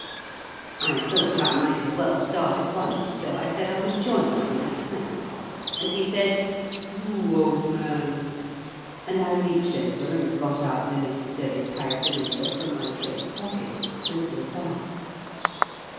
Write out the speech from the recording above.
I thought I might as well start at once, so I said I would join him in a pipe, and he said, "Do, old man"; and I reached over and got out the necessary paraphernalia from my coat pocket and lit up.